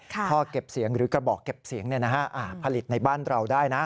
ท่อเก็บเสียงหรือกระบอกเก็บเสียงผลิตในบ้านเราได้นะ